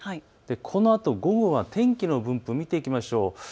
このあと午後は天気の分布を見ていきましょう。